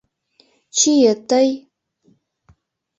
— Чие, тый...